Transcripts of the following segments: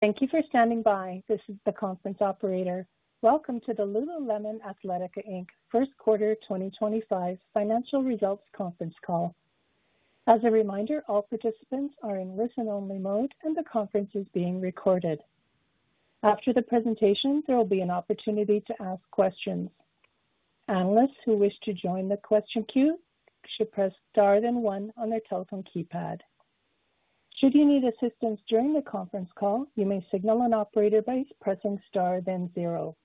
Thank you for standing by. This is the conference operator. Welcome to the Lululemon Athletica Inc First Quarter 2025 Financial Results Conference Call. As a reminder, all participants are in listen-only mode, and the conference is being recorded. After the presentation, there will be an opportunity to ask questions. Analysts who wish to join the question queue should press star then one on their telephone keypad. Should you need assistance during the conference call, you may signal an operator by pressing star then zero.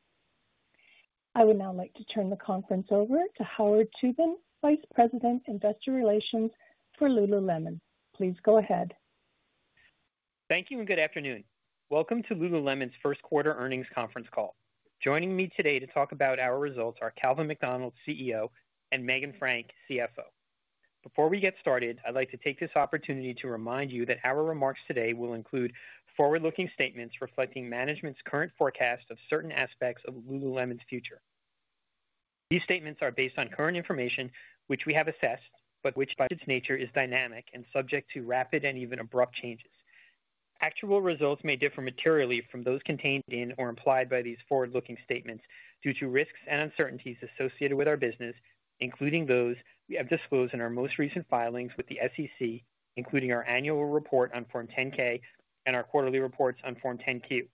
I would now like to turn the conference over to Howard Tubin, Vice President, Investor Relations for lululemon. Please go ahead. Thank you, and good afternoon. Welcome to Lululemon's First Quarter Earnings Conference Call. Joining me today to talk about our results are Calvin McDonald, CEO, and Meghan Frank, CFO. Before we get started, I'd like to take this opportunity to remind you that our remarks today will include forward-looking statements reflecting management's current forecast of certain aspects of lululemon's future. These statements are based on current information, which we have assessed, but which, by its nature, is dynamic and subject to rapid and even abrupt changes. Actual results may differ materially from those contained in or implied by these forward-looking statements due to risks and uncertainties associated with our business, including those we have disclosed in our most recent filings with the SEC, including our annual report on Form 10-K and our quarterly reports on Form 10-Q.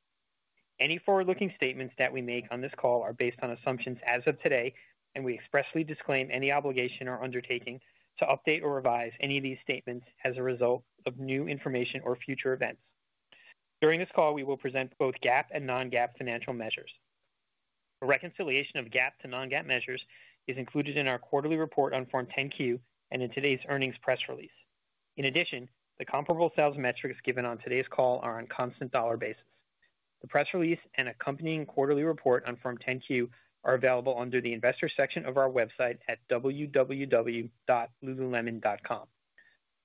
Any forward-looking statements that we make on this call are based on assumptions as of today, and we expressly disclaim any obligation or undertaking to update or revise any of these statements as a result of new information or future events. During this call, we will present both GAAP and non-GAAP financial measures. A reconciliation of GAAP to non-GAAP measures is included in our quarterly report on Form 10-Q and in today's earnings press release. In addition, the comparable sales metrics given on today's call are on a constant dollar basis. The press release and accompanying quarterly report on Form 10-Q are available under the Investor section of our website at www.lululemon.com.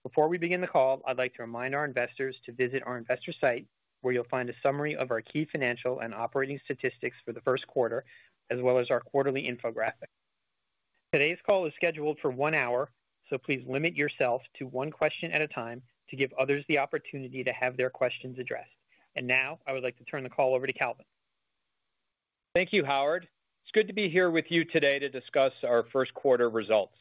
Before we begin the call, I'd like to remind our investors to visit our investor site, where you'll find a summary of our key financial and operating statistics for the first quarter, as well as our quarterly infographic. Today's call is scheduled for one hour, so please limit yourself to one question at a time to give others the opportunity to have their questions addressed. I would like to turn the call over to Calvin. Thank you, Howard. It's good to be here with you today to discuss our first quarter results.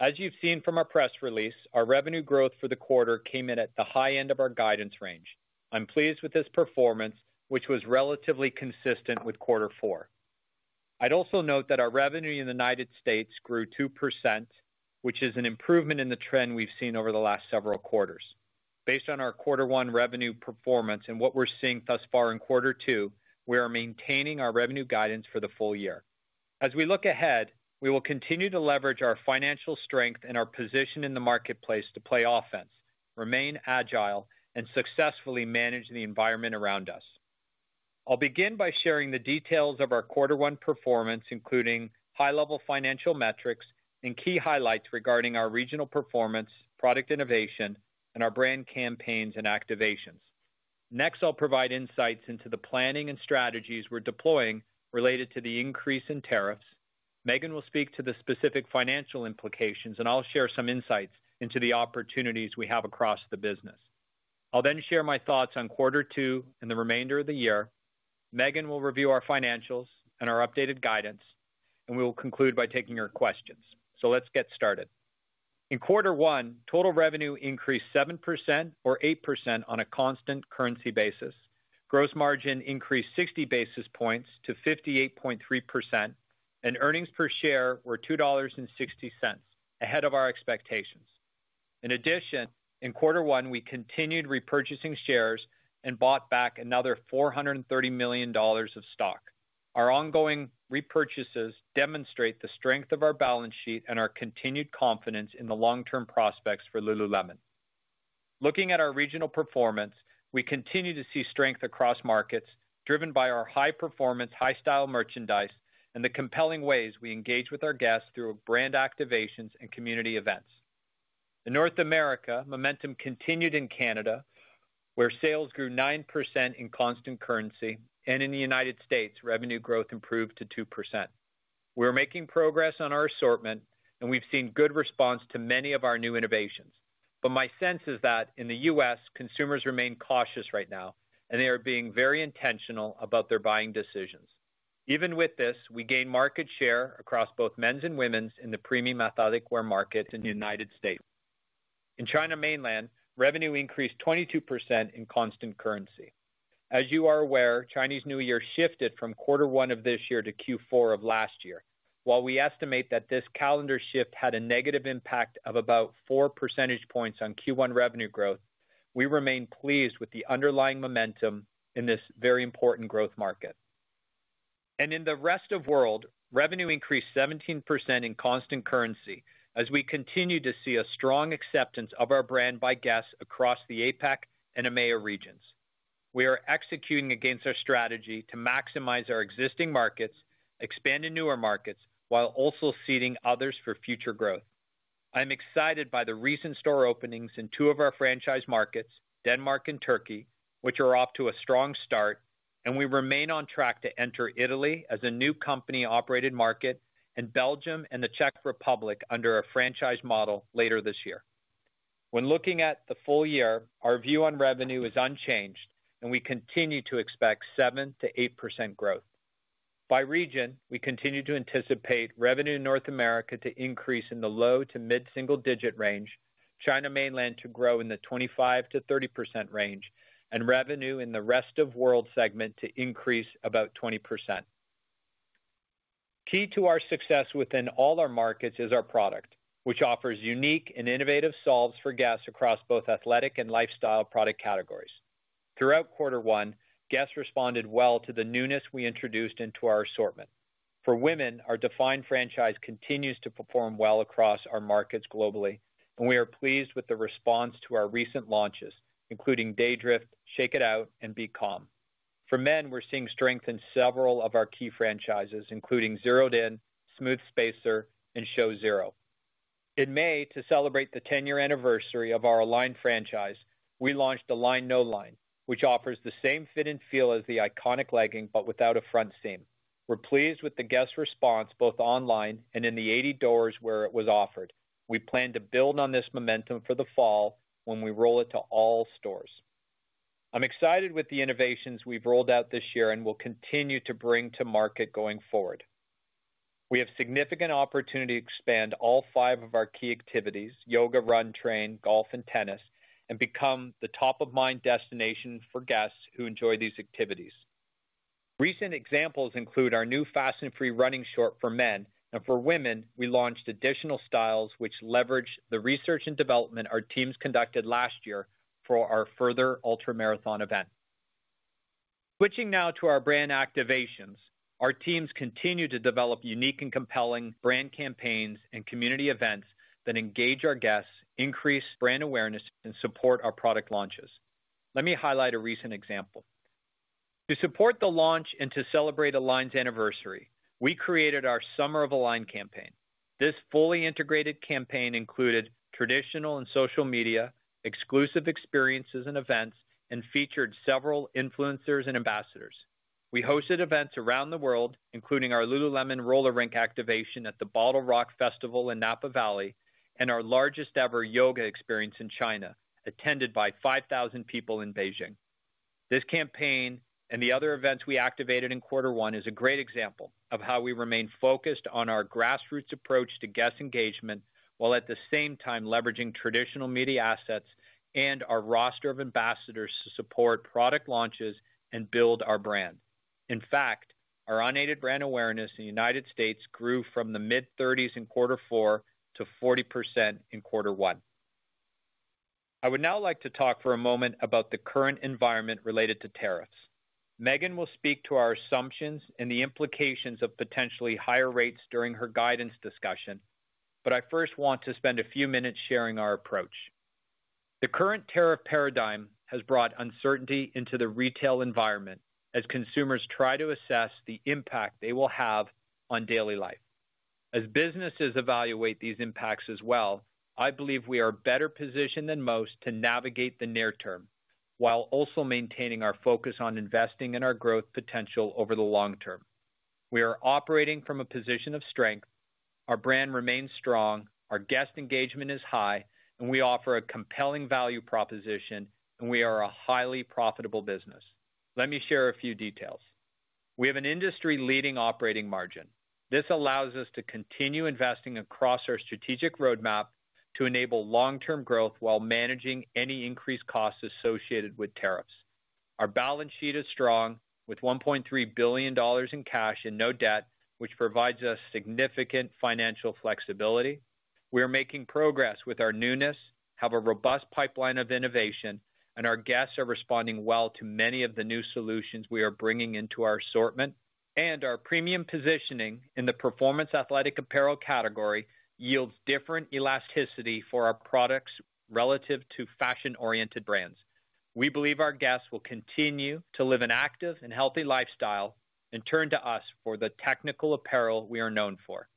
As you've seen from our press release, our revenue growth for the quarter came in at the high end of our guidance range. I'm pleased with this performance, which was relatively consistent with Quarter 4. I'd also note that our revenue in the United States grew 2%, which is an improvement in the trend we've seen over the last several quarters. Based on our Quarter 1 revenue performance and what we're seeing thus far in Quarter 2, we are maintaining our revenue guidance for the full year. As we look ahead, we will continue to leverage our financial strength and our position in the marketplace to play offense, remain agile, and successfully manage the environment around us. I'll begin by sharing the details of our Quarter 1 performance, including high-level financial metrics and key highlights regarding our regional performance, product innovation, and our brand campaigns and activations. Next, I'll provide insights into the planning and strategies we're deploying related to the increase in tariffs. Meghan will speak to the specific financial implications, and I'll share some insights into the opportunities we have across the business. I'll then share my thoughts on Quarter 2 and the remainder of the year. Meghan will review our financials and our updated guidance, and we will conclude by taking your questions. Let's get started. In Quarter 1, total revenue increased 7% or 8% on a constant currency basis. Gross margin increased 60 basis points to 58.3%, and earnings per share were $2.60, ahead of our expectations. In addition, in Q1, we continued repurchasing shares and bought back another $430 million of stock. Our ongoing repurchases demonstrate the strength of our balance sheet and our continued confidence in the long-term prospects for Lululemon. Looking at our regional performance, we continue to see strength across markets, driven by our high-performance, high-style merchandise and the compelling ways we engage with our guests through brand activations and community events. In North America, momentum continued in Canada, where sales grew 9% in constant currency, and in the United States, revenue growth improved to 2%. We're making progress on our assortment, and we've seen good response to many of our new innovations. My sense is that in the U.S., consumers remain cautious right now, and they are being very intentional about their buying decisions. Even with this, we gain market share across both men's and women's in the premium athletic wear market in the United States. In China Mainland, revenue increased 22% in constant currency. As you are aware, Chinese New Year shifted from Q1 of this year to Q4 of last year. While we estimate that this calendar shift had a negative impact of about 4 percentage points on Q1 revenue growth, we remain pleased with the underlying momentum in this very important growth market. In the rest of the world, revenue increased 17% in constant currency as we continue to see a strong acceptance of our brand by guests across the APAC and EMEA regions. We are executing against our strategy to maximize our existing markets, expanding newer markets, while also seeding others for future growth. I'm excited by the recent store openings in two of our franchise markets, Denmark and Türkiye, which are off to a strong start, and we remain on track to enter Italy as a new company-operated market and Belgium and the Czech Republic under our franchise model later this year. When looking at the full year, our view on revenue is unchanged, and we continue to expect 7% to 8% growth. By region, we continue to anticipate revenue in North America to increase in the low to mid-single-digit range, China Mainland to grow in the 25%-30% range, and revenue in the rest of the world segment to increase about 20%. Key to our success within all our markets is our product, which offers unique and innovative solves for guests across both athletic and lifestyle product categories. Throughout Quarter 1, guests responded well to the newness we introduced into our assortment. For women, our Define franchise continues to perform well across our markets globally, and we are pleased with the response to our recent launches, including Daydrift, Shake It Out, and Be Calm. For men, we're seeing strength in several of our key franchises, including Zeroed In, Smooth Spacer, and ShowZero. In May, to celebrate the 10-year anniversary of our Align franchise, we launched the Align No Line, which offers the same fit and feel as the iconic legging, but without a front seam. We're pleased with the guest response both online and in the 80 doors where it was offered. We plan to build on this momentum for the fall when we roll it to all stores. I'm excited with the innovations we've rolled out this year and will continue to bring to market going forward. We have significant opportunity to expand all five of our key activities: yoga, run, train, golf, and tennis, and become the top-of-mind destination for guests who enjoy these activities. Recent examples include our new Fast and Free running short for men, and for women, we launched additional styles which leverage the research and development our teams conducted last year for our FURTHER ultramarathon event. Switching now to our brand activations, our teams continue to develop unique and compelling brand campaigns and community events that engage our guests, increase brand awareness, and support our product launches. Let me highlight a recent example. To support the launch and to celebrate Align's anniversary, we created our Summer of Align campaign. This fully integrated campaign included traditional and social media, exclusive experiences and events, and featured several influencers and ambassadors. We hosted events around the world, including our Lululemon Roller Rink activation at the BottleRock Festival in Napa Valley and our largest ever yoga experience in China, attended by 5,000 people in Beijing. This campaign and the other events we activated in Quarter 1 is a great example of how we remain focused on our grassroots approach to guest engagement while at the same time leveraging traditional media assets and our roster of ambassadors to support product launches and build our brand. In fact, our unaided brand awareness in the United States grew from the mid-30s in Quarter 4 to 40% in Quarter 1. I would now like to talk for a moment about the current environment related to tariffs. Meghan will speak to our assumptions and the implications of potentially higher rates during her guidance discussion. I first want to spend a few minutes sharing our approach. The current tariff paradigm has brought uncertainty into the retail environment as consumers try to assess the impact they will have on daily life. As businesses evaluate these impacts as well, I believe we are better positioned than most to navigate the near term while also maintaining our focus on investing in our growth potential over the long term. We are operating from a position of strength. Our brand remains strong, our guest engagement is high, and we offer a compelling value proposition, and we are a highly profitable business. Let me share a few details. We have an industry-leading operating margin. This allows us to continue investing across our strategic roadmap to enable long-term growth while managing any increased costs associated with tariffs. Our balance sheet is strong with $1.3 billion in cash and no debt, which provides us significant financial flexibility. We are making progress with our newness, have a robust pipeline of innovation, and our guests are responding well to many of the new solutions we are bringing into our assortment. Our premium positioning in the performance athletic apparel category yields different elasticity for our products relative to fashion-oriented brands. We believe our guests will continue to live an active and healthy lifestyle and turn to us for the technical apparel we are known for.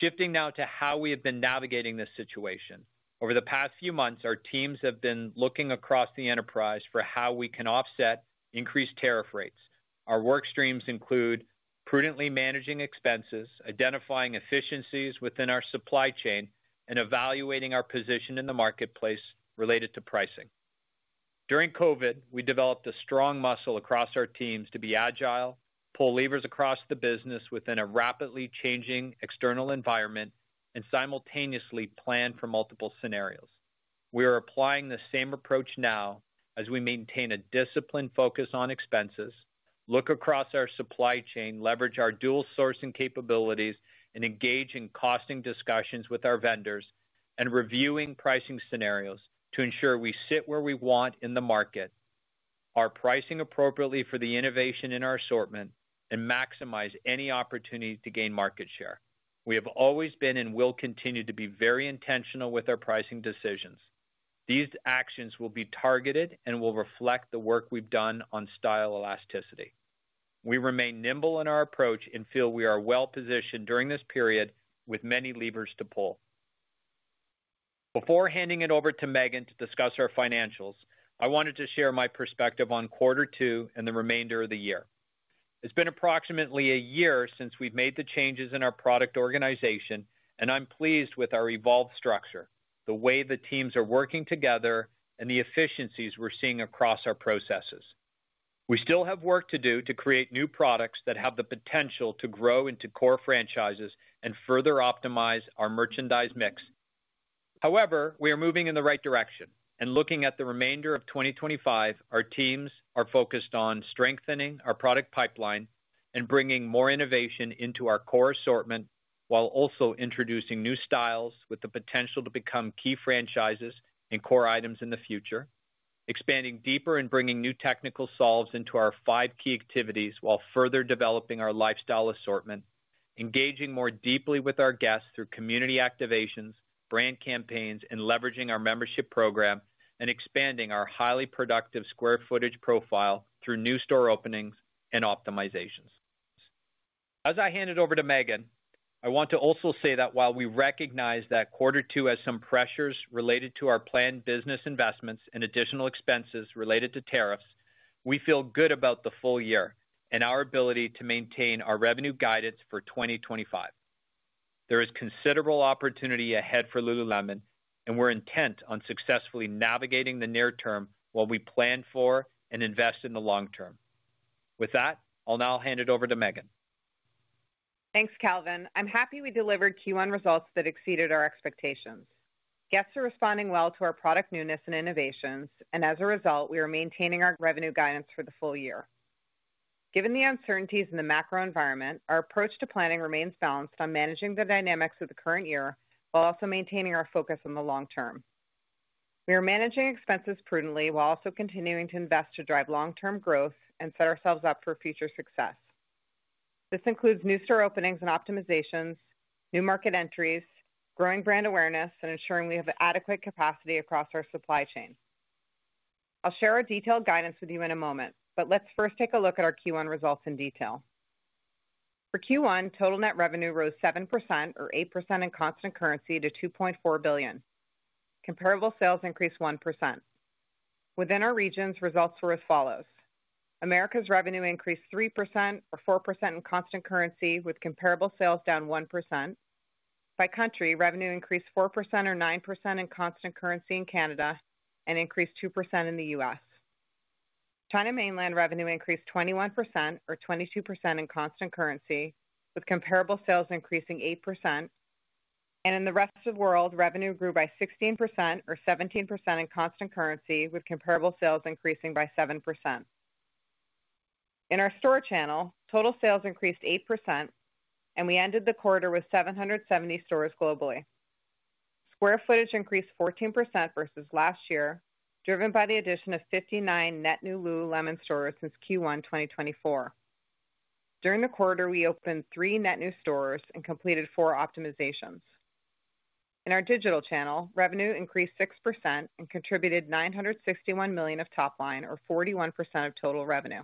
Shifting now to how we have been navigating this situation. Over the past few months, our teams have been looking across the enterprise for how we can offset increased tariff rates. Our work streams include prudently managing expenses, identifying efficiencies within our supply chain, and evaluating our position in the marketplace related to pricing. During COVID, we developed a strong muscle across our teams to be agile, pull levers across the business within a rapidly changing external environment, and simultaneously plan for multiple scenarios. We are applying the same approach now as we maintain a disciplined focus on expenses, look across our supply chain, leverage our dual sourcing capabilities, and engage in costing discussions with our vendors, and reviewing pricing scenarios to ensure we sit where we want in the market, are pricing appropriately for the innovation in our assortment, and maximize any opportunity to gain market share. We have always been and will continue to be very intentional with our pricing decisions. These actions will be targeted and will reflect the work we've done on style elasticity. We remain nimble in our approach and feel we are well positioned during this period with many levers to pull. Before handing it over to Meghan to discuss our financials, I wanted to share my perspective on Quarter 2 and the remainder of the year. It's been approximately a year since we've made the changes in our product organization, and I'm pleased with our evolved structure, the way the teams are working together, and the efficiencies we're seeing across our processes. We still have work to do to create new products that have the potential to grow into core franchises and further optimize our merchandise mix. However, we are moving in the right direction, and looking at the remainder of 2025, our teams are focused on strengthening our product pipeline and bringing more innovation into our core assortment while also introducing new styles with the potential to become key franchises and core items in the future, expanding deeper and bringing new technical solves into our five key activities while further developing our lifestyle assortment, engaging more deeply with our guests through community activations, brand campaigns, and leveraging our membership program, and expanding our highly productive square footage profile through new store openings and optimizations. As I hand it over to Meghan, I want to also say that while we recognize that Quarter 2 has some pressures related to our planned business investments and additional expenses related to tariffs, we feel good about the full year and our ability to maintain our revenue guidance for 2025. There is considerable opportunity ahead for Lululemon, and we're intent on successfully navigating the near term while we plan for and invest in the long term. With that, I'll now hand it over to Meghan. Thanks, Calvin. I'm happy we delivered Q1 results that exceeded our expectations. Guests are responding well to our product newness and innovations, and as a result, we are maintaining our revenue guidance for the full year. Given the uncertainties in the macro environment, our approach to planning remains balanced on managing the dynamics of the current year while also maintaining our focus on the long term. We are managing expenses prudently while also continuing to invest to drive long-term growth and set ourselves up for future success. This includes new store openings and optimizations, new market entries, growing brand awareness, and ensuring we have adequate capacity across our supply chain. I'll share our detailed guidance with you in a moment, but let's first take a look at our Q1 results in detail. For Q1, total net revenue rose 7% or 8% in constant currency to $2.4 billion. Comparable sales increased 1%. Within our regions, results were as follows. America's revenue increased 3% or 4% in constant currency, with comparable sales down 1%. By country, revenue increased 4% or 9% in constant currency in Canada and increased 2% in the U.S. China Mainland revenue increased 21% or 22% in constant currency, with comparable sales increasing 8%. In the rest of the world, revenue grew by 16% or 17% in constant currency, with comparable sales increasing by 7%. In our store channel, total sales increased 8%, and we ended the quarter with 770 stores globally. Square footage increased 14% versus last year, driven by the addition of 59 net new lululemon stores since Q1 2024. During the quarter, we opened three net new stores and completed four optimizations. In our digital channel, revenue increased 6% and contributed $961 million of top line, or 41% of total revenue.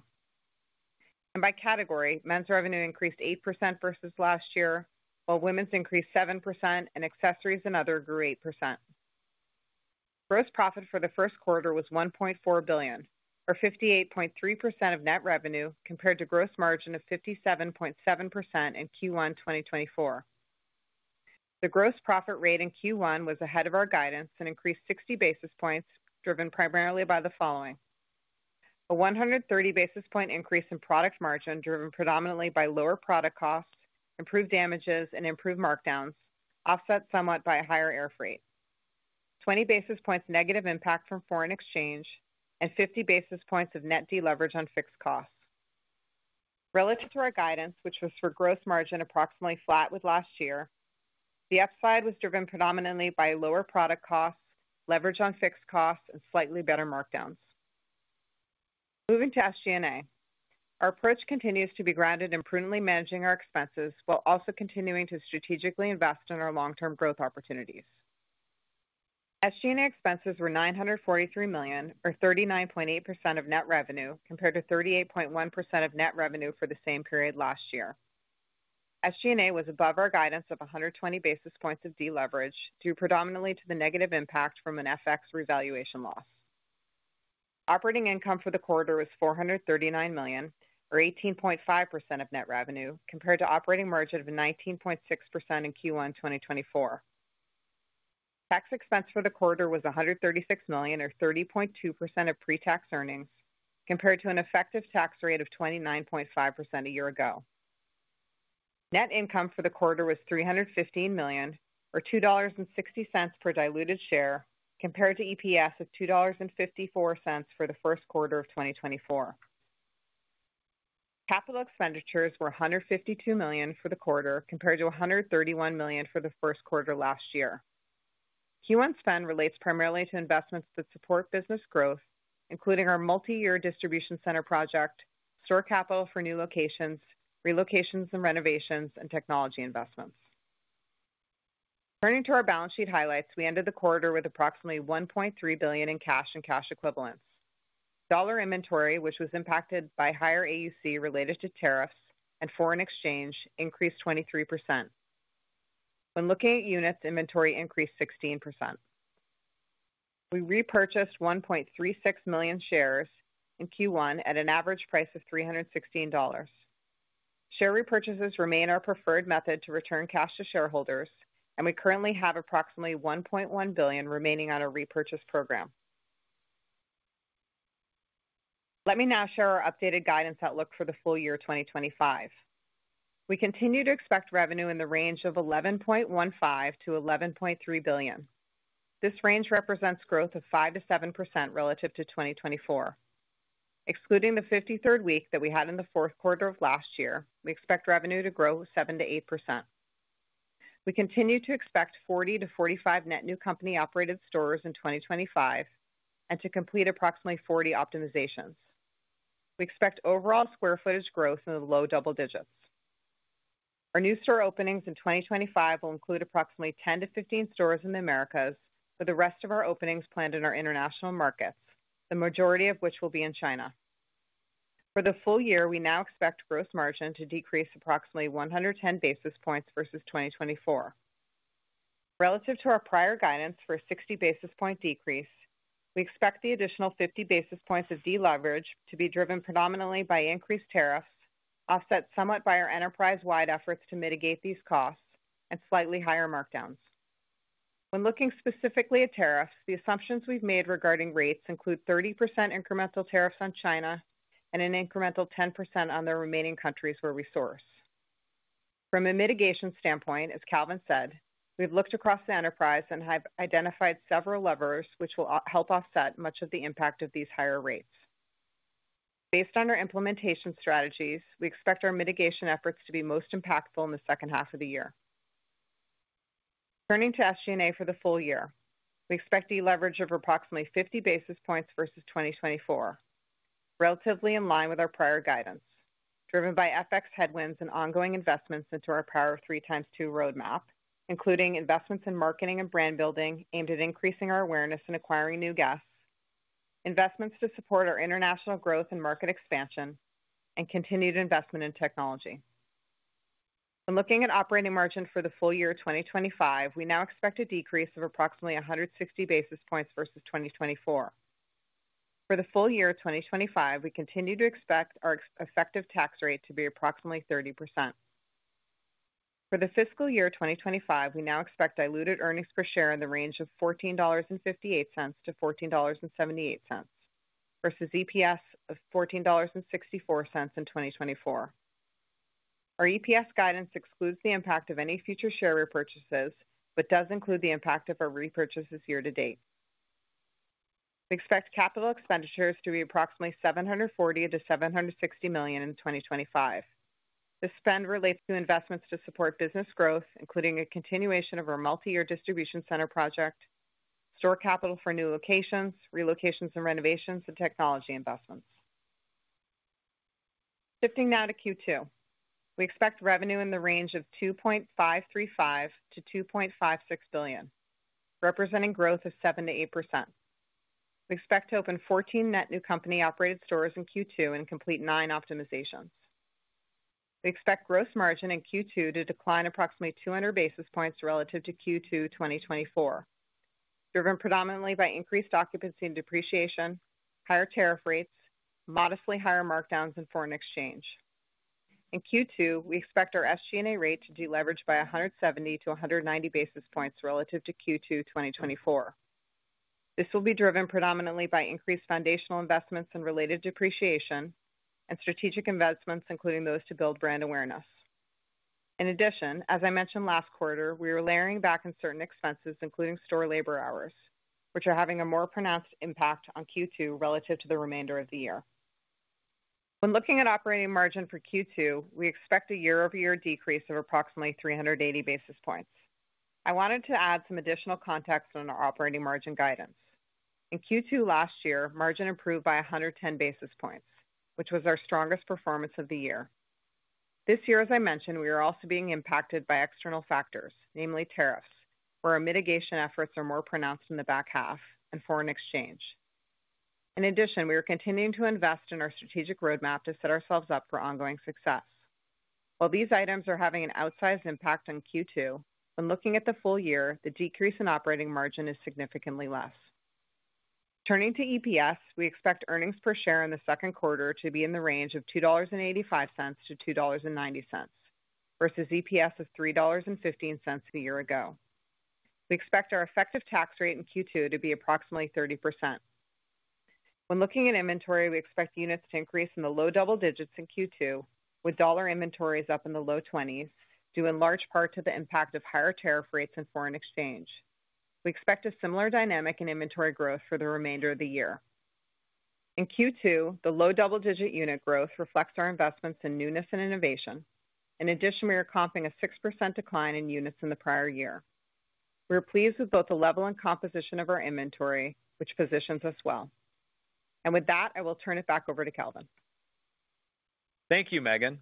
By category, men's revenue increased 8% versus last year, while women's increased 7%, and accessories and other grew 8%. Gross profit for the first quarter was $1.4 billion, or 58.3% of net revenue, compared to gross margin of 57.7% in Q1 2024. The gross profit rate in Q1 was ahead of our guidance and increased 60 basis points, driven primarily by the following: a 130 basis point increase in product margin, driven predominantly by lower product costs, improved damages, and improved markdowns, offset somewhat by a higher air freight; 20 basis points negative impact from foreign exchange; and 50 basis points of net deleverage on fixed costs. Relative to our guidance, which was for gross margin approximately flat with last year, the upside was driven predominantly by lower product costs, leverage on fixed costs, and slightly better markdowns. Moving to SG&A, our approach continues to be grounded in prudently managing our expenses while also continuing to strategically invest in our long-term growth opportunities. SG&A expenses were $943 million, or 39.8% of net revenue, compared to 38.1% of net revenue for the same period last year. SG&A was above our guidance of 120 basis points of deleverage, due predominantly to the negative impact from an FX revaluation loss. Operating income for the quarter was $439 million, or 18.5% of net revenue, compared to operating margin of 19.6% in Q1 2024. Tax expense for the quarter was $136 million, or 30.2% of pre-tax earnings, compared to an effective tax rate of 29.5% a year ago. Net income for the quarter was $315 million, or $2.60 per diluted share, compared to EPS of $2.54 for the first quarter of 2024. Capital expenditures were $152 million for the quarter, compared to $131 million for the first quarter last year. Q1 spend relates primarily to investments that support business growth, including our multi-year distribution center project, store capital for new locations, relocations and renovations, and technology investments. Turning to our balance sheet highlights, we ended the quarter with approximately $1.3 billion in cash and cash equivalents. Dollar inventory, which was impacted by higher AUC related to tariffs and foreign exchange, increased 23%. When looking at units, inventory increased 16%. We repurchased 1.36 million shares in Q1 at an average price of $316. Share repurchases remain our preferred method to return cash to shareholders, and we currently have approximately $1.1 billion remaining on our repurchase program. Let me now share our updated guidance outlook for the full year 2025. We continue to expect revenue in the range of $11.15 billion-$11.3 billion. This range represents growth of 5%-7% relative to 2024. Excluding the 53rd week that we had in the fourth quarter of last year, we expect revenue to grow 7% to 8%. We continue to expect 40%-45% net new company operated stores in 2025 and to complete approximately 40 optimizations. We expect overall square footage growth in the low double digits. Our new store openings in 2025 will include approximately 10-15 stores in the Americas, with the rest of our openings planned in our international markets, the majority of which will be in China. For the full year, we now expect gross margin to decrease approximately 110 basis points versus 2024. Relative to our prior guidance for a 60 basis point decrease, we expect the additional 50 basis points of deleverage to be driven predominantly by increased tariffs, offset somewhat by our enterprise-wide efforts to mitigate these costs, and slightly higher markdowns. When looking specifically at tariffs, the assumptions we've made regarding rates include 30% incremental tariffs on China and an incremental 10% on the remaining countries where we source. From a mitigation standpoint, as Calvin said, we've looked across the enterprise and have identified several levers which will help offset much of the impact of these higher rates. Based on our implementation strategies, we expect our mitigation efforts to be most impactful in the second half of the year. Turning to SG&A for the full year, we expect deleverage of approximately 50 basis points versus 2024, relatively in line with our prior guidance, driven by FX headwinds and ongoing investments into our Power of Three x2 roadmap, including investments in marketing and brand building aimed at increasing our awareness and acquiring new guests, investments to support our international growth and market expansion, and continued investment in technology. When looking at operating margin for the full year 2025, we now expect a decrease of approximately 160 basis points versus 2024. For the full year 2025, we continue to expect our effective tax rate to be approximately 30%. For the fiscal year 2025, we now expect diluted earnings per share in the range of $14.58-$14.78 versus EPS of $14.64 in 2024. Our EPS guidance excludes the impact of any future share repurchases but does include the impact of our repurchases year to date. We expect capital expenditures to be approximately $740 million-$760 million in 2025. This spend relates to investments to support business growth, including a continuation of our multi-year distribution center project, store capital for new locations, relocations and renovations, and technology investments. Shifting now to Q2, we expect revenue in the range of $2.535 billion-$2.56 billion, representing growth of 7% to 8%. We expect to open 14 net new company operated stores in Q2 and complete nine optimizations. We expect gross margin in Q2 to decline approximately 200 basis points relative to Q2 2024, driven predominantly by increased occupancy and depreciation, higher tariff rates, modestly higher markdowns, and foreign exchange. In Q2, we expect our SG&A rate to deleverage by 170-190 basis points relative to Q2 2024. This will be driven predominantly by increased foundational investments and related depreciation and strategic investments, including those to build brand awareness. In addition, as I mentioned last quarter, we are layering back on certain expenses, including store labor hours, which are having a more pronounced impact on Q2 relative to the remainder of the year. When looking at operating margin for Q2, we expect a year-over-year decrease of approximately 380 basis points. I wanted to add some additional context on our operating margin guidance. In Q2 last year, margin improved by 110 basis points, which was our strongest performance of the year. This year, as I mentioned, we are also being impacted by external factors, namely tariffs, where our mitigation efforts are more pronounced in the back half and foreign exchange. In addition, we are continuing to invest in our strategic roadmap to set ourselves up for ongoing success. While these items are having an outsized impact on Q2, when looking at the full year, the decrease in operating margin is significantly less. Turning to EPS, we expect earnings per share in the second quarter to be in the range of $2.85-$2.90 versus EPS of $3.15 the year ago. We expect our effective tax rate in Q2 to be approximately 30%. When looking at inventory, we expect units to increase in the low double digits in Q2, with dollar inventories up in the low 20s, due in large part to the impact of higher tariff rates and foreign exchange. We expect a similar dynamic in inventory growth for the remainder of the year. In Q2, the low double-digit unit growth reflects our investments in newness and innovation. In addition, we are comping a 6% decline in units in the prior year. We are pleased with both the level and composition of our inventory, which positions us well. I will turn it back over to Calvin. Thank you, Meghan.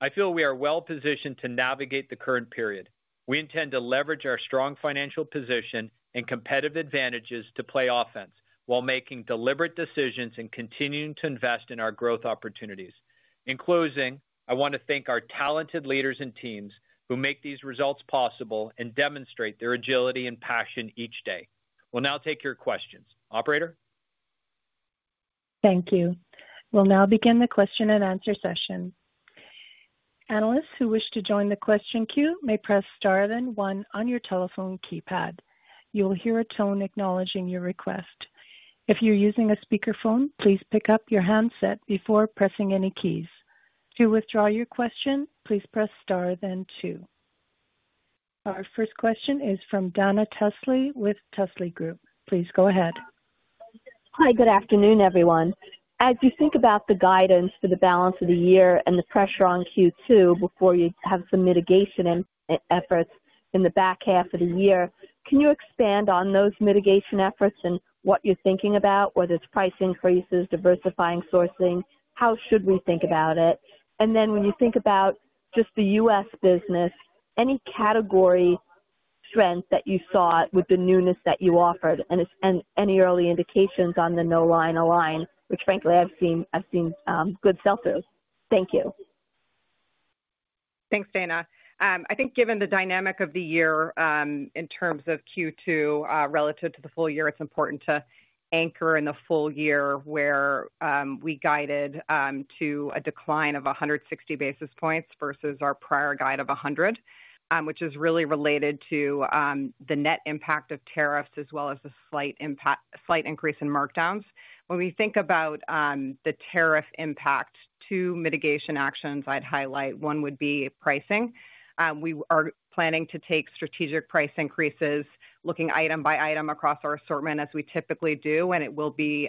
I feel we are well positioned to navigate the current period. We intend to leverage our strong financial position and competitive advantages to play offense while making deliberate decisions and continuing to invest in our growth opportunities. In closing, I want to thank our talented leaders and teams who make these results possible and demonstrate their agility and passion each day. We'll now take your questions. Operator? Thank you. We'll now begin the question and answer session. Analysts who wish to join the question queue may press star then one on your telephone keypad. You will hear a tone acknowledging your request. If you're using a speakerphone, please pick up your handset before pressing any keys. To withdraw your question, please press star then two. Our first question is from Dana Telsey with Telsey Group. Please go ahead. Hi, good afternoon, everyone. As you think about the guidance for the balance of the year and the pressure on Q2 before you have some mitigation efforts in the back half of the year, can you expand on those mitigation efforts and what you're thinking about, whether it's price increases, diversifying sourcing, how should we think about it? When you think about just the U.S. business, any category strength that you saw with the newness that you offered and any early indications on the No Line Align, which frankly, I've seen good sell-throughs. Thank you. Thanks, Dana. I think given the dynamic of the year in terms of Q2 relative to the full year, it's important to anchor in the full year where we guided to a decline of 160 basis points versus our prior guide of 100, which is really related to the net impact of tariffs as well as a slight increase in markdowns. When we think about the tariff impact, two mitigation actions I'd highlight. One would be pricing. We are planning to take strategic price increases, looking item by item across our assortment as we typically do, and it will be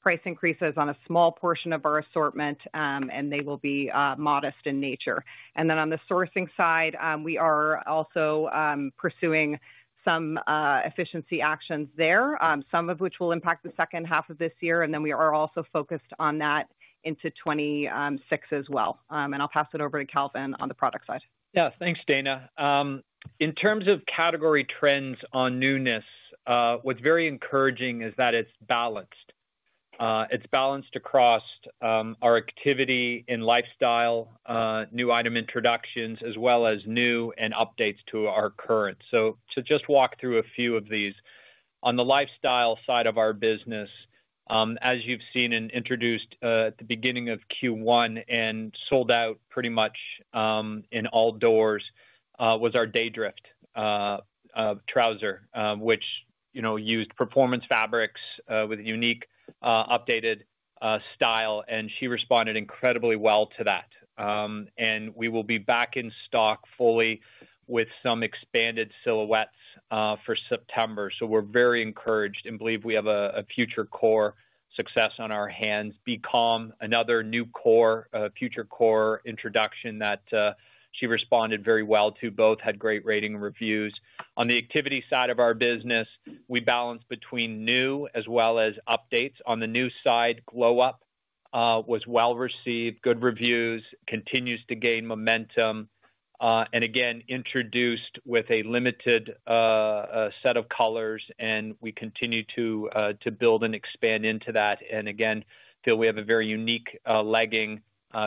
price increases on a small portion of our assortment, and they will be modest in nature. On the sourcing side, we are also pursuing some efficiency actions there, some of which will impact the second half of this year, and we are also focused on that into 2026 as well. I'll pass it over to Calvin on the product side. Yes, thanks, Dana. In terms of category trends on newness, what's very encouraging is that it's balanced. It's balanced across our activity in lifestyle, new item introductions, as well as new and updates to our current. To just walk through a few of these. On the lifestyle side of our business, as you've seen and introduced at the beginning of Q1 and sold out pretty much in all doors, was our Daydrift trouser, which used performance fabrics with a unique updated style, and she responded incredibly well to that. We will be back in stock fully with some expanded silhouettes for September. We are very encouraged and believe we have a future core success on our hands. Be Calm, another new core, future core introduction that she responded very well to. Both had great rating reviews. On the activity side of our business, we balance between new as well as updates. On the new side, Glow Up was well received, good reviews, continues to gain momentum, and again, introduced with a limited set of colors, and we continue to build and expand into that. We feel we have a very unique legging,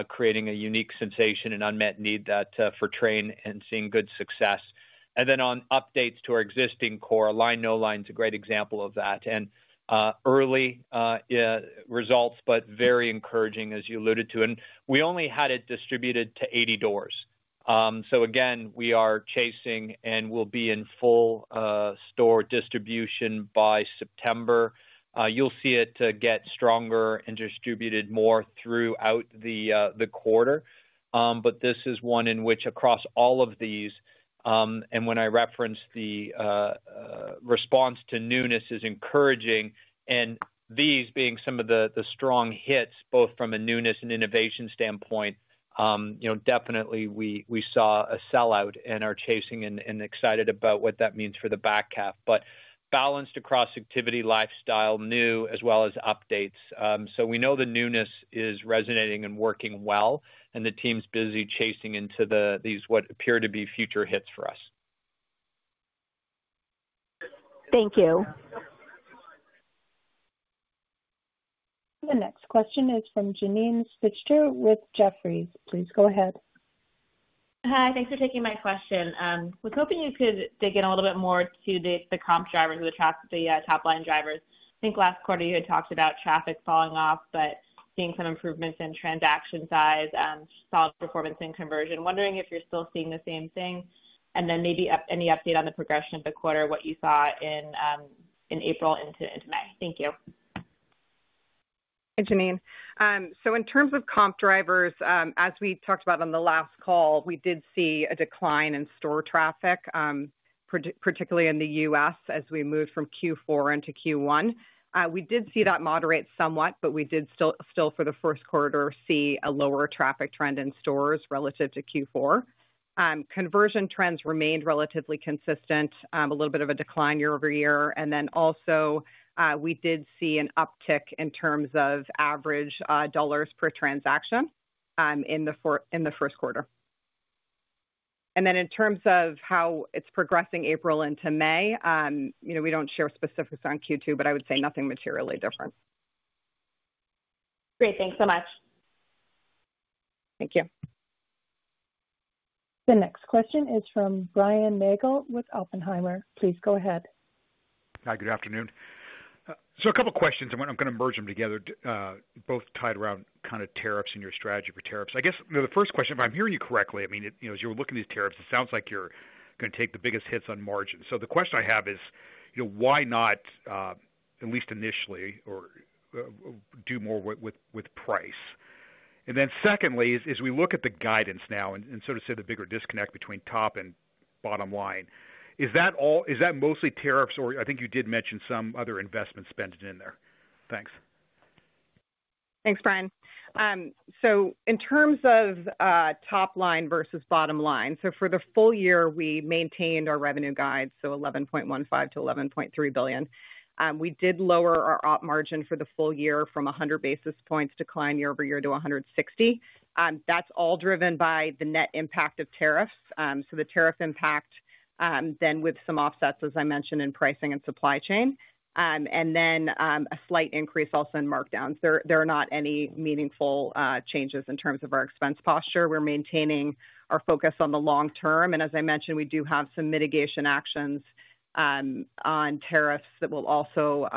creating a unique sensation and unmet need for train and seeing good success. On updates to our existing core, Align No Line is a great example of that. Early results, but very encouraging, as you alluded to. We only had it distributed to 80 doors. Again, we are chasing and will be in full store distribution by September. You will see it get stronger and distributed more throughout the quarter. This is one in which across all of these, and when I reference the response to newness is encouraging, and these being some of the strong hits both from a newness and innovation standpoint, definitely we saw a sellout and are chasing and excited about what that means for the back half. Balanced across activity, lifestyle, new, as well as updates. We know the newness is resonating and working well, and the team's busy chasing into these what appear to be future hits for us. Thank you. The next question is from Janine Stitcher with Jefferies. Please go ahead. Hi, thanks for taking my question. I was hoping you could dig in a little bit more to the comp drivers, the top line drivers. I think last quarter you had talked about traffic falling off, but seeing some improvements in transaction size, solid performance in conversion. Wondering if you're still seeing the same thing, and then maybe any update on the progression of the quarter, what you saw in April into May. Thank you. Thanks, Janine. In terms of comp drivers, as we talked about on the last call, we did see a decline in store traffic, particularly in the U.S. as we moved from Q4 into Q1. We did see that moderate somewhat, but we did still, for the first quarter, see a lower traffic trend in stores relative to Q4. Conversion trends remained relatively consistent, a little bit of a decline year over year, and then also we did see an uptick in terms of average dollars per transaction in the first quarter. In terms of how it is progressing April into May, we do not share specifics on Q2, but I would say nothing materially different. Great. Thanks so much. Thank you. The next question is from Brian Nagel with Oppenheimer. Please go ahead. Hi, good afternoon. A couple of questions. I am going to merge them together, both tied around kind of tariffs and your strategy for tariffs. I guess the first question, if I am hearing you correctly, I mean, as you are looking at these tariffs, it sounds like you are going to take the biggest hits on margin. The question I have is, why not, at least initially, do more with price? Then secondly, as we look at the guidance now and sort of see the bigger disconnect between top and bottom line, is that mostly tariffs or I think you did mention some other investment spending in there? Thanks. Thanks, Brian. In terms of top line versus bottom line, for the full year, we maintained our revenue guide, so $11.15 billion-$11.3 billion. We did lower our operating margin for the full year from 100 basis points decline year over year to 160. That is all driven by the net impact of tariffs. The tariff impact, then with some offsets, as I mentioned, in pricing and supply chain, and then a slight increase also in markdowns. There are not any meaningful changes in terms of our expense posture. We are maintaining our focus on the long term. As I mentioned, we do have some mitigation actions on tariffs that will also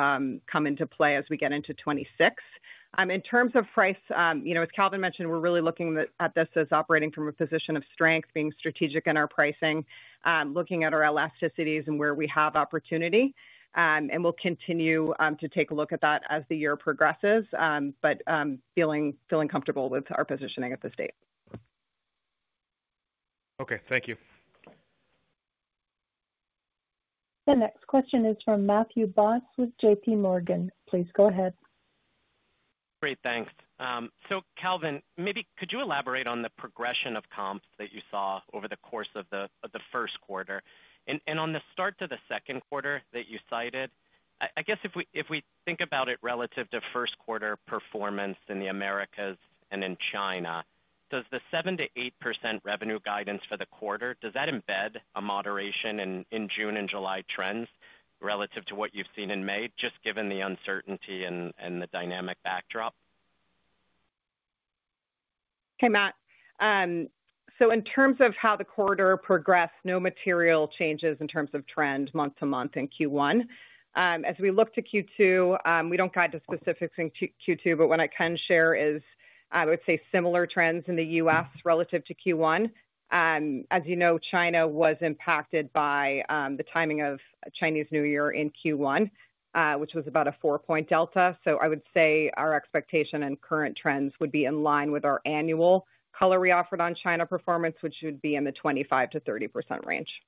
come into play as we get into 2026. In terms of price, as Calvin mentioned, we're really looking at this as operating from a position of strength, being strategic in our pricing, looking at our elasticities and where we have opportunity. We'll continue to take a look at that as the year progresses, but feeling comfortable with our positioning at this date. Okay, thank you. The next question is from Matthew Boss with JPMorgan. Please go ahead. Great, thanks. Calvin, maybe could you elaborate on the progression of comps that you saw over the course of the first quarter? On the start to the second quarter that you cited, I guess if we think about it relative to first quarter performance in the Americas and in China, does the 7-8% revenue guidance for the quarter, does that embed a moderation in June and July trends relative to what you've seen in May, just given the uncertainty and the dynamic backdrop? Hey, Matt. In terms of how the quarter progressed, no material changes in terms of trend month to month in Q1. As we look to Q2, we don't guide to specifics in Q2, but what I can share is, I would say, similar trends in the U.S. relative to Q1. As you know, China was impacted by the timing of Chinese New Year in Q1, which was about a four-point delta. I would say our expectation and current trends would be in line with our annual color we offered on China performance, which would be in the 25%-30% range.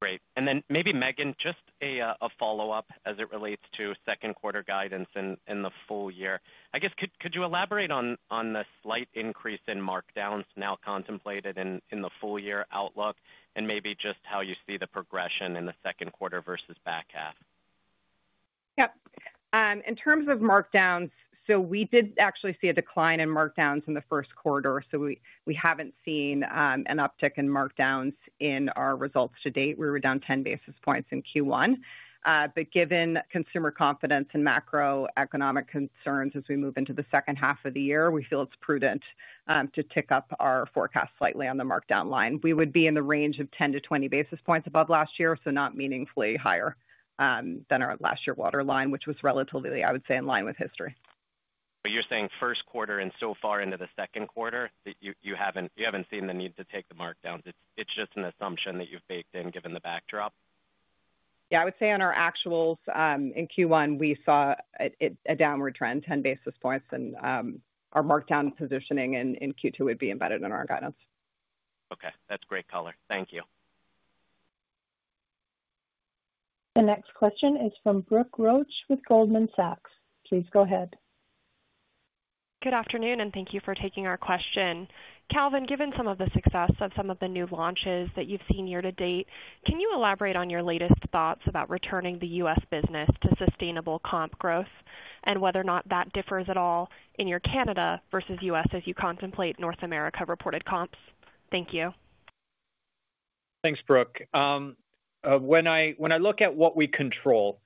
Great. Maybe, Meghan, just a follow-up as it relates to second quarter guidance in the full year. I guess, could you elaborate on the slight increase in markdowns now contemplated in the full year outlook and maybe just how you see the progression in the second quarter versus back half? Yep. In terms of markdowns, we did actually see a decline in markdowns in the first quarter. We have not seen an uptick in markdowns in our results to date. We were down 10 basis points in Q1. Given consumer confidence and macroeconomic concerns as we move into the second half of the year, we feel it's prudent to tick up our forecast slightly on the markdown line. We would be in the range of 10-20 basis points above last year, so not meaningfully higher than our last year waterline, which was relatively, I would say, in line with history. But you're saying first quarter and so far into the second quarter that you haven't seen the need to take the markdowns. It's just an assumption that you've baked in given the backdrop? Yeah, I would say on our actuals in Q1, we saw a downward trend, 10 basis points, and our markdown positioning in Q2 would be embedded in our guidance. Okay, that's great color. Thank you. The next question is from Brooke Roach with Goldman Sachs. Please go ahead. Good afternoon and thank you for taking our question. Calvin, given some of the success of some of the new launches that you've seen year to date, can you elaborate on your latest thoughts about returning the U.S. business to sustainable comp growth and whether or not that differs at all in your Canada versus U.S. as you contemplate North America reported comps? Thank you. Thanks, Brooke. When I look at what we control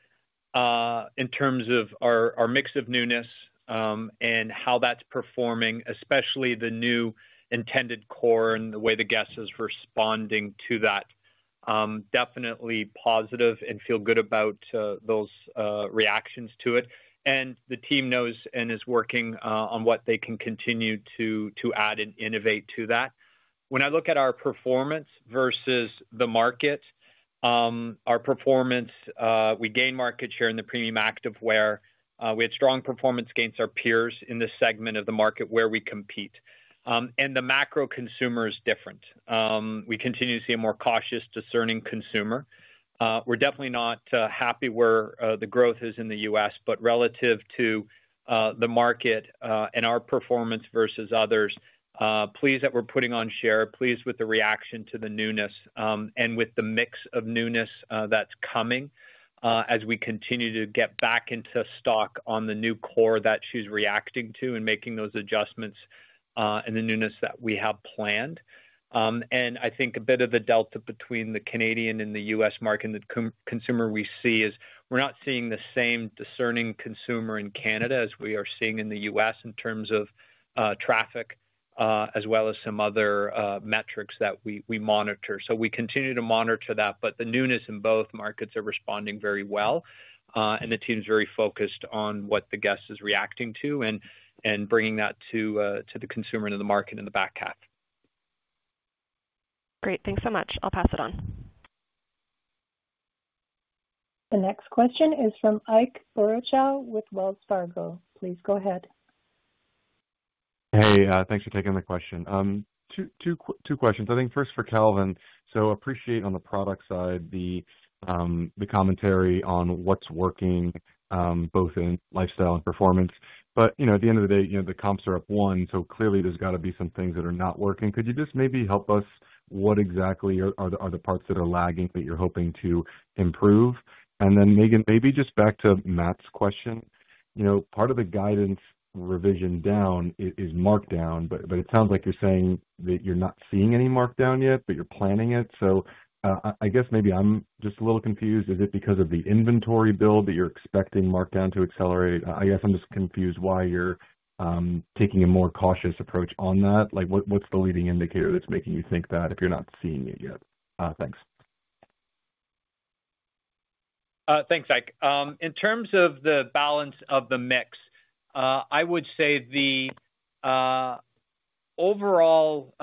in terms of our mix of newness and how that's performing, especially the new intended core and the way the guest is responding to that, definitely positive and feel good about those reactions to it. The team knows and is working on what they can continue to add and innovate to that. When I look at our performance versus the market, our performance, we gain market share in the premium active wear. We had strong performance gains versus our peers in the segment of the market where we compete. The macro consumer is different. We continue to see a more cautious, discerning consumer. We are definitely not happy where the growth is in the U.S., but relative to the market and our performance versus others, pleased that we are putting on share, pleased with the reaction to the newness and with the mix of newness that is coming as we continue to get back into stock on the new core that she is reacting to and making those adjustments and the newness that we have planned. I think a bit of the delta between the Canadian and the U.S. market and the consumer we see is we are not seeing the same discerning consumer in Canada as we are seeing in the U.S. in terms of traffic, as well as some other metrics that we monitor. We continue to monitor that, but the newness in both markets are responding very well. The team's very focused on what the guest is reacting to and bringing that to the consumer and to the market in the back half. Great. Thanks so much. I'll pass it on. The next question is from Ike Boruchow with Wells Fargo. Please go ahead. Hey, thanks for taking the question. Two questions. I think first for Calvin. Appreciate on the product side the commentary on what's working both in lifestyle and performance. At the end of the day, the comps are up one, so clearly there's got to be some things that are not working. Could you just maybe help us what exactly are the parts that are lagging that you're hoping to improve? And then Meghan, maybe just back to Matt's question. Part of the guidance revision down is markdown, but it sounds like you're saying that you're not seeing any markdown yet, but you're planning it. I guess maybe I'm just a little confused. Is it because of the inventory build that you're expecting markdown to accelerate? I guess I'm just confused why you're taking a more cautious approach on that. What's the leading indicator that's making you think that if you're not seeing it yet? Thanks. Thanks, Ike. In terms of the balance of the mix, I would say the overall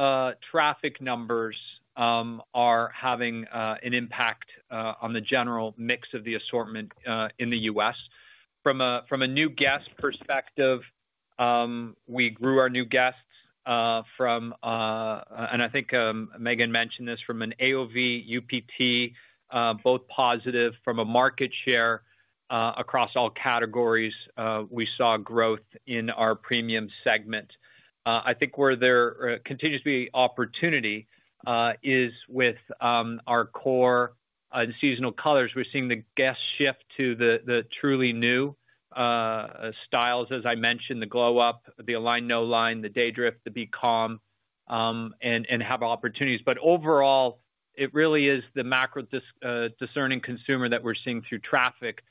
traffic numbers are having an impact on the general mix of the assortment in the U.S. From a new guest perspective, we grew our new guests from, and I think Meghan mentioned this, from an AOV, UPT, both positive from a market share across all categories. We saw growth in our premium segment. I think where there continues to be opportunity is with our core and seasonal colors. We're seeing the guests shift to the truly new styles, as I mentioned, the Glow Up, the Align No Line, the Daydrift, the Be Calm, and have opportunities. Overall, it really is the macro discerning consumer that we're seeing through traffic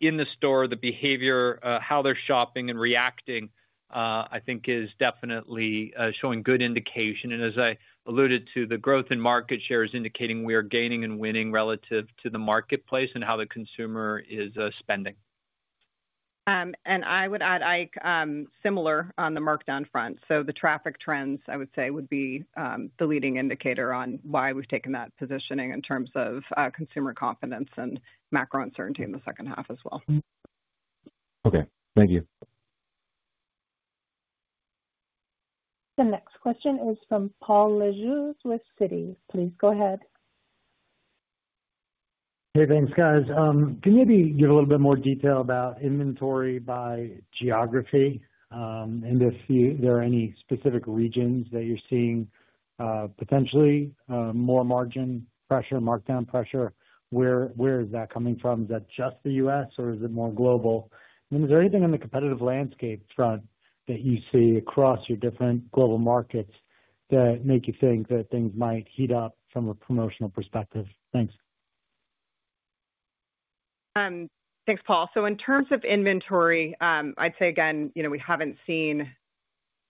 in the store. The behavior, how they're shopping and reacting, I think is definitely showing good indication. As I alluded to, the growth in market share is indicating we are gaining and winning relative to the marketplace and how the consumer is spending. I would add, Ike, similar on the markdown front. The traffic trends, I would say, would be the leading indicator on why we've taken that positioning in terms of consumer confidence and macro uncertainty in the second half as well. Okay, thank you. The next question is from Paul Lejuez with Citi. Please go ahead. Hey, thanks, guys. Can you maybe give a little bit more detail about inventory by geography? And if there are any specific regions that you're seeing potentially more margin pressure, markdown pressure, where is that coming from? Is that just the U.S. or is it more global? And is there anything on the competitive landscape front that you see across your different global markets that make you think that things might heat up from a promotional perspective? Thanks. Thanks, Paul. So in terms of inventory, I'd say again, we haven't seen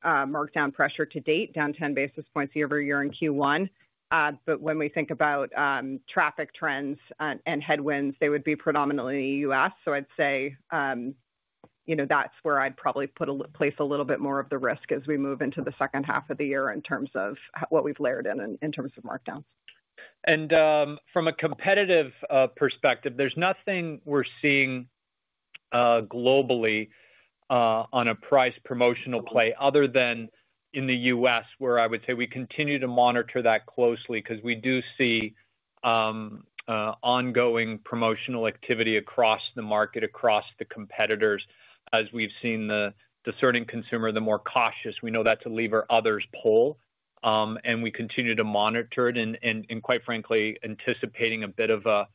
markdown pressure to date, down 10 basis points year over year in Q1. But when we think about traffic trends and headwinds, they would be predominantly in the U.S. I'd say that's where I'd probably place a little bit more of the risk as we move into the second half of the year in terms of what we've layered in in terms of markdowns. From a competitive perspective, there's nothing we're seeing globally on a price promotional play other than in the U.S., where I would say we continue to monitor that closely because we do see ongoing promotional activity across the market, across the competitors, as we've seen the discerning consumer, the more cautious. We know that's a lever others pull. We continue to monitor it and, quite frankly, anticipating a bit of a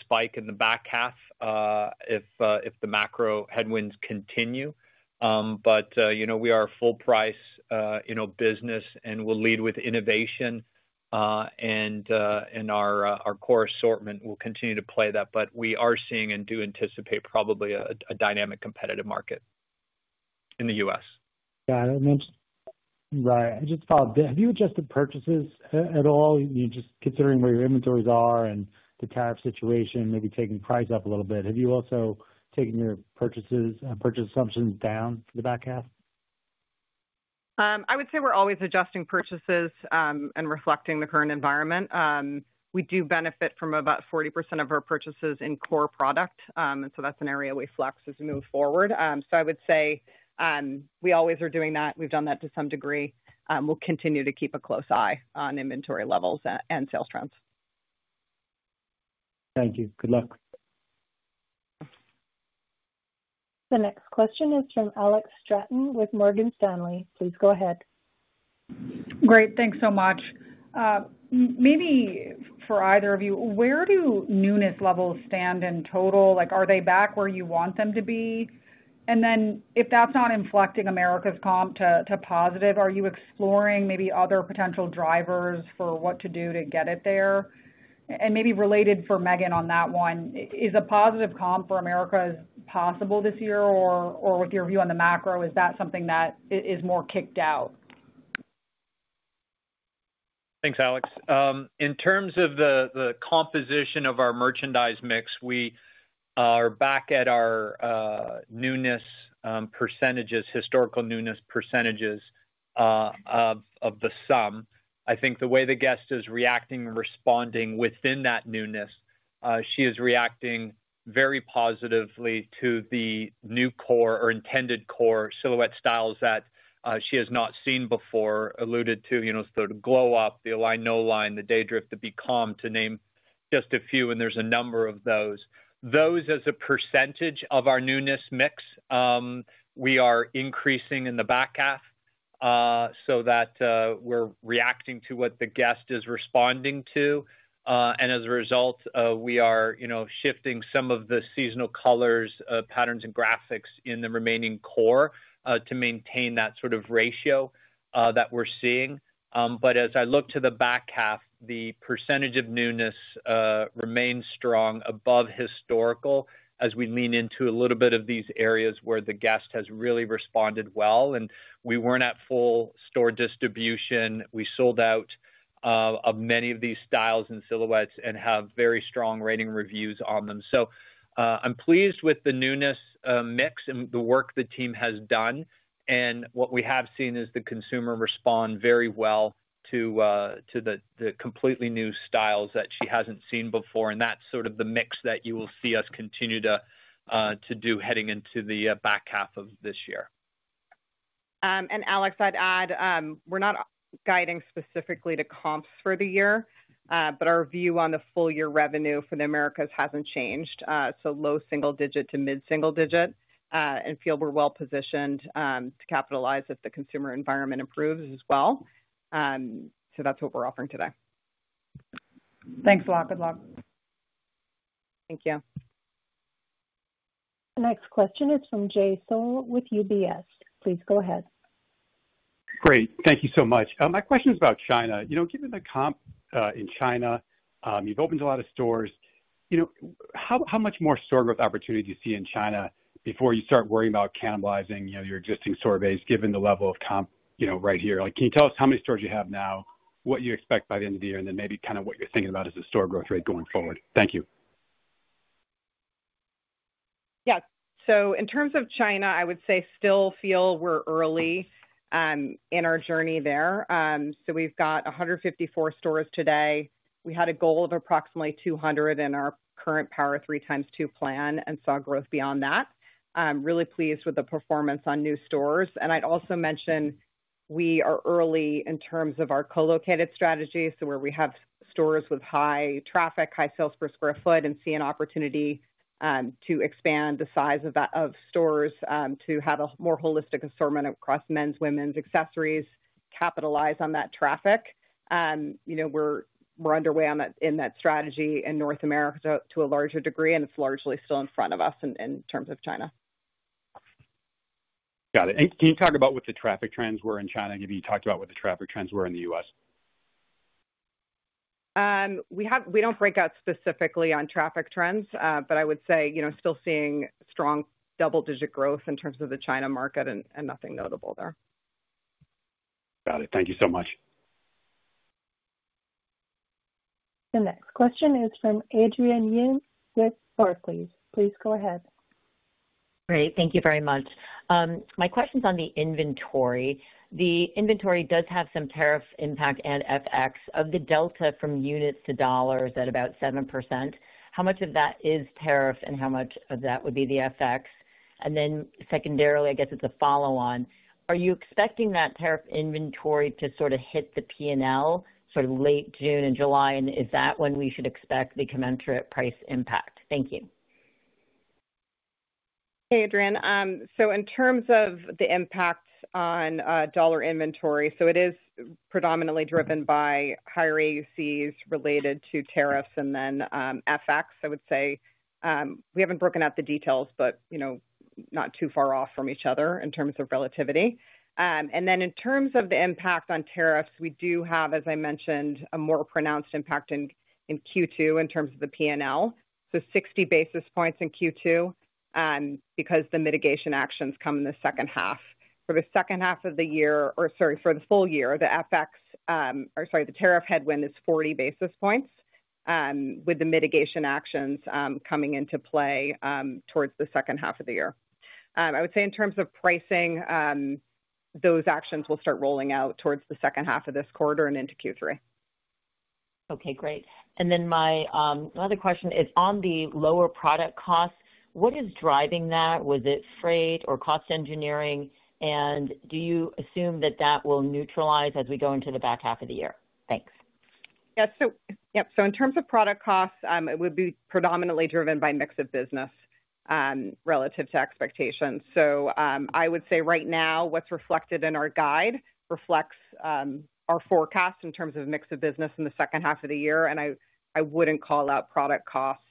spike in the back half if the macro headwinds continue. We are a full-price business and we'll lead with innovation. Our core assortment will continue to play that. We are seeing and do anticipate probably a dynamic competitive market in the U.S. Got it. Right. I just followed that. Have you adjusted purchases at all? Just considering where your inventories are and the tariff situation, maybe taking price up a little bit. Have you also taken your purchases and purchase assumptions down for the back half? I would say we are always adjusting purchases and reflecting the current environment. We do benefit from about 40% of our purchases in core product. That is an area we flex as we move forward. I would say we always are doing that. We have done that to some degree. We will continue to keep a close eye on inventory levels and sales trends. Thank you. Good luck. The next question is from Alex Straton with Morgan Stanley. Please go ahead. Great. Thanks so much. Maybe for either of you, where do newness levels stand in total? Are they back where you want them to be? If that's not inflecting America's comp to positive, are you exploring maybe other potential drivers for what to do to get it there? Maybe related for Meghan on that one, is a positive comp for America possible this year? With your view on the macro, is that something that is more kicked out? Thanks, Alex. In terms of the composition of our merchandise mix, we are back at our newness percentages, historical newness percentages of the sum. I think the way the guest is reacting and responding within that newness, she is reacting very positively to the new core or intended core silhouette styles that she has not seen before, alluded to, the Glow Up, the Align No Line, the Daydrift, the Be Calm, to name just a few. There is a number of those. Those as a percentage of our newness mix, we are increasing in the back half so that we are reacting to what the guest is responding to. As a result, we are shifting some of the seasonal colors, patterns, and graphics in the remaining core to maintain that sort of ratio that we are seeing. As I look to the back half, the percentage of newness remains strong above historical as we lean into a little bit of these areas where the guest has really responded well. We were not at full store distribution. We sold out of many of these styles and silhouettes and have very strong rating reviews on them. I am pleased with the newness mix and the work the team has done. What we have seen is the consumer respond very well to the completely new styles that she has not seen before. That is the mix that you will see us continue to do heading into the back half of this year. Alex, I would add, we are not guiding specifically to comps for the year, but our view on the full year revenue for the Americas has not changed. Low single digit to mid single digit. I feel we are well positioned to capitalize if the consumer environment improves as well. That is what we are offering today. Thanks a lot. Good luck. Thank you. The next question is from Jay Sole with UBS. Please go ahead. Great. Thank you so much. My question is about China. Given the comp in China, you've opened a lot of stores. How much more store growth opportunity do you see in China before you start worrying about cannibalizing your existing store base given the level of comp right here? Can you tell us how many stores you have now, what you expect by the end of the year, and then maybe kind of what you're thinking about as a store growth rate going forward? Thank you. Yes. In terms of China, I would say still feel we're early in our journey there. We've got 154 stores today. We had a goal of approximately 200 in our current Power of Three x2 plan and saw growth beyond that. Really pleased with the performance on new stores. I'd also mention we are early in terms of our co-located strategy, where we have stores with high traffic, high sales per square foot, and see an opportunity to expand the size of stores to have a more holistic assortment across men's, women's, accessories, capitalize on that traffic. We're underway in that strategy in North America to a larger degree, and it's largely still in front of us in terms of China. Got it. Can you talk about what the traffic trends were in China? Maybe you talked about what the traffic trends were in the U.S. We don't break out specifically on traffic trends, but I would say still seeing strong double-digit growth in terms of the China market and nothing notable there. Got it. Thank you so much. The next question is from Adrienne Yih with Barclays. Please go ahead. Great. Thank you very much. My question's on the inventory. The inventory does have some tariff impact and FX of the delta from units to dollars at about 7%. How much of that is tariff and how much of that would be the FX? And then secondarily, I guess it's a follow-on. Are you expecting that tariff inventory to sort of hit the P&L sort of late June and July? And is that when we should expect the commensurate price impact? Thank you. Hey, Adrienne. In terms of the impact on dollar inventory, it is predominantly driven by higher AUCs related to tariffs and then FX, I would say. We haven't broken out the details, but not too far off from each other in terms of relativity. In terms of the impact on tariffs, we do have, as I mentioned, a more pronounced impact in Q2 in terms of the P&L. Sixty basis points in Q2 because the mitigation actions come in the second half. For the second half of the year, or sorry, for the full year, the FX, or sorry, the tariff headwind is forty basis points with the mitigation actions coming into play towards the second half of the year. I would say in terms of pricing, those actions will start rolling out towards the second half of this quarter and into Q3. Okay, great. And then my other question is on the lower product costs, what is driving that? Was it freight or cost engineering? And do you assume that that will neutralize as we go into the back half of the year? Thanks. Yeah. In terms of product costs, it would be predominantly driven by mix of business relative to expectations. I would say right now, what's reflected in our guide reflects our forecast in terms of mix of business in the second half of the year. I wouldn't call out product costs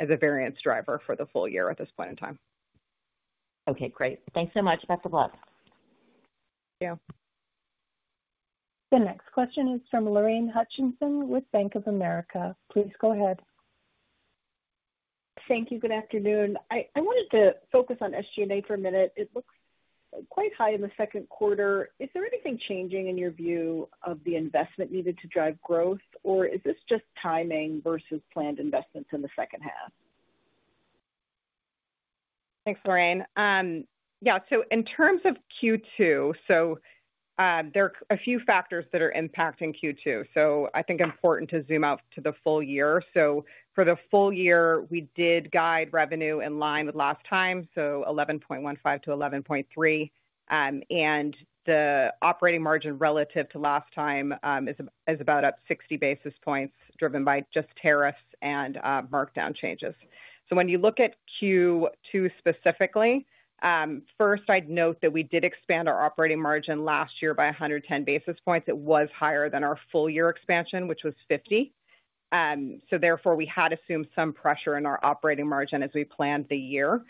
as a variance driver for the full year at this point in time. Okay, great. Thanks so much. Best of luck. Thank you. The next question is from Lorraine Hutchinson with Bank of America. Please go ahead. Thank you. Good afternoon. I wanted to focus on SG&A for a minute. It looks quite high in the second quarter. Is there anything changing in your view of the investment needed to drive growth, or is this just timing versus planned investments in the second half? Thanks, Lorraine. Yeah. In terms of Q2, there are a few factors that are impacting Q2. I think important to zoom out to the full year. For the full year, we did guide revenue in line with last time, so $11.15 billion-$11.3 billion. The operating margin relative to last time is about up 60 basis points driven by just tariffs and markdown changes. When you look at Q2 specifically, first, I'd note that we did expand our operating margin last year by 110 basis points. It was higher than our full year expansion, which was 50 basis points. Therefore, we had assumed some pressure in our operating margin as we planned the year.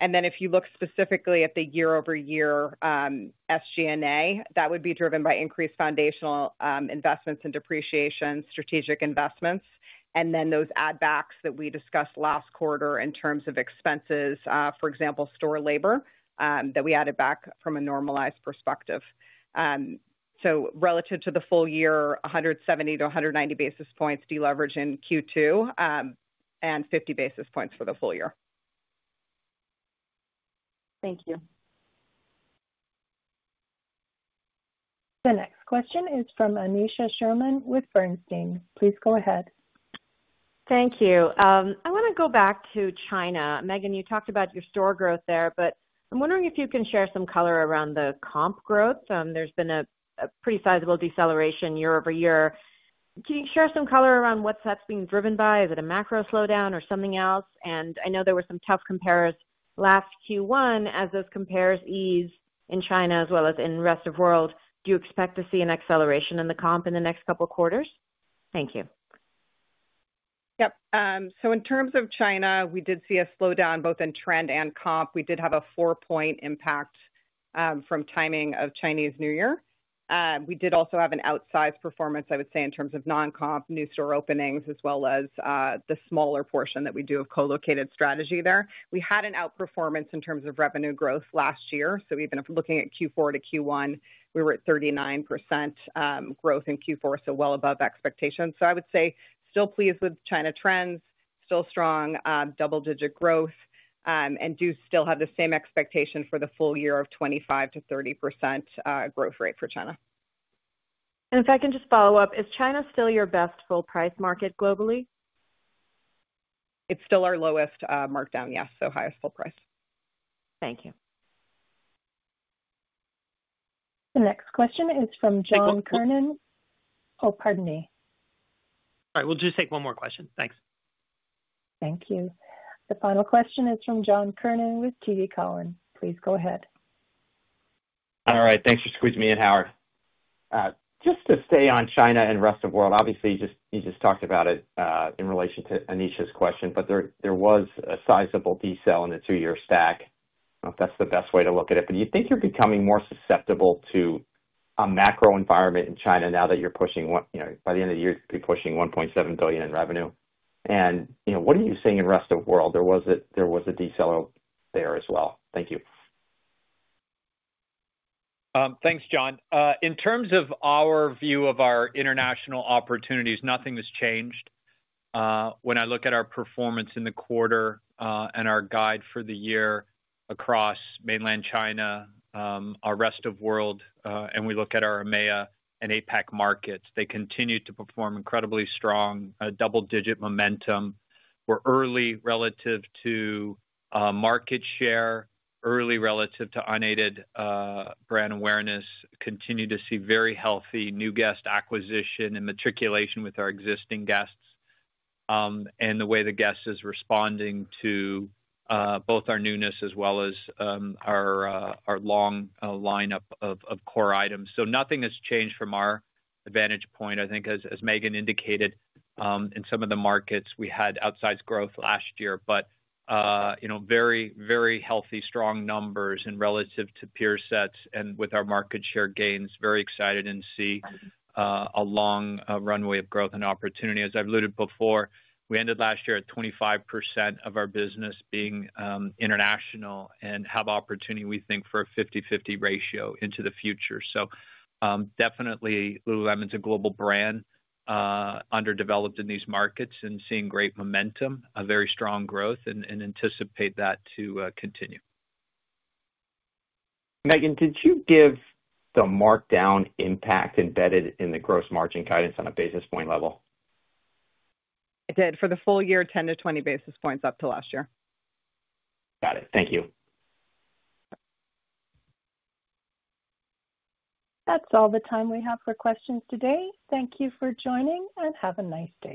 If you look specifically at the year-over-year SG&A, that would be driven by increased foundational investments and depreciation, strategic investments, and then those add-backs that we discussed last quarter in terms of expenses, for example, store labor that we added back from a normalized perspective. Relative to the full year, 170-190 basis points deleveraged in Q2 and 50 basis points for the full year. Thank you. The next question is from Aneesha Sherman with Bernstein. Please go ahead. Thank you. I want to go back to China. Meghan, you talked about your store growth there, but I'm wondering if you can share some color around the comp growth. There's been a pretty sizable deceleration year over year. Can you share some color around what's that's being driven by? Is it a macro slowdown or something else? I know there were some tough comparers last Q1. As those comparers ease in China as well as in the rest of the world, do you expect to see an acceleration in the comp in the next couple of quarters? Thank you. Yep. In terms of China, we did see a slowdown both in trend and comp. We did have a four-point impact from timing of Chinese New Year. We did also have an outsized performance, I would say, in terms of non-comp, new store openings, as well as the smaller portion that we do of co-located strategy there. We had an outperformance in terms of revenue growth last year. Even if looking at Q4 to Q1, we were at 39% growth in Q4, so well above expectations. I would say still pleased with China trends, still strong double-digit growth, and do still have the same expectation for the full year of 25 to 30% growth rate for China. If I can just follow up, is China still your best full-price market globally? It is still our lowest markdown, yes. So highest full price. Thank you. The next question is from John Kernan. Oh, pardon me. All right. We'll just take one more question. Thanks. Thank you. The final question is from John Kernan with TD Cowen. Please go ahead. All right. Thanks for squeezing me in, Howard. Just to stay on China and the rest of the world, obviously, you just talked about it in relation to Aneesha's question, but there was a sizable decel in the two-year stack. I don't know if that's the best way to look at it, but do you think you're becoming more susceptible to a macro environment in China now that you're pushing by the end of the year, you'll be pushing $1.7 billion in revenue? And what are you seeing in the rest of the world? There was a decel there as well. Thank you. Thanks, John. In terms of our view of our international opportunities, nothing has changed. When I look at our performance in the quarter and our guide for the year across mainland China, our rest of the world, and we look at our EMEA and APAC markets, they continue to perform incredibly strong, double-digit momentum. We're early relative to market share, early relative to unaided brand awareness, continue to see very healthy new guest acquisition and matriculation with our existing guests, and the way the guest is responding to both our newness as well as our long lineup of core items. Nothing has changed from our vantage point. I think, as Meghan indicated, in some of the markets, we had outsized growth last year, but very, very healthy, strong numbers relative to peer sets and with our market share gains. Very excited and see a long runway of growth and opportunity. As I've alluded before, we ended last year at 25% of our business being international and have opportunity, we think, for a 50/50 ratio into the future. Definitely, Lululemon's a global brand underdeveloped in these markets and seeing great momentum, very strong growth, and anticipate that to continue. Meghan, did you give the markdown impact embedded in the gross margin guidance on a basis point level? I did. For the full year, 10-20 basis points up to last year. Got it. Thank you. That's all the time we have for questions today. Thank you for joining and have a nice day.